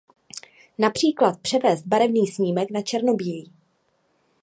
Například převést barevný snímek na černobílý.